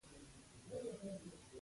• ظالم انسان خپله سزا ویني.